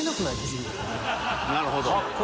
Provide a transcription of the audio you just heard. なるほど。